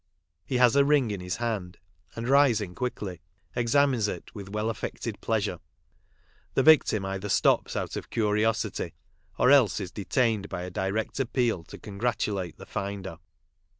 He has a ring in his hand, and, rising quickly, examines it with well affected pleasure. The victim either stops out of curiosity, or else is detained by a direct appeal to congratulate the finder.